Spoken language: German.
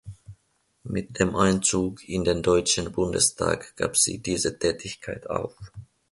Mit dem Einzug in den Deutschen Bundestag gab sie diese Tätigkeit auf.